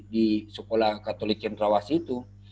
di sekolah katolik centrawasi itu